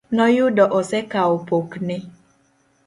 Noyudo osekawo pokne.